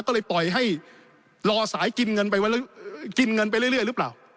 ก็เลยปล่อยให้รอสายกินเงินไปไว้กินเงินไปเรื่อยหรือเปล่า